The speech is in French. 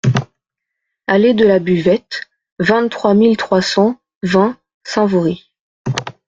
Allée de la Buvette, vingt-trois mille trois cent vingt Saint-Vaury